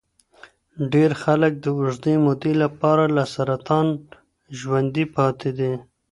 ډېر خلک د اوږدې مودې لپاره له سرطان ژوندي پاتې دي.